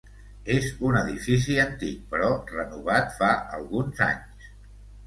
És un edifici antic però renovat fa alguns anys.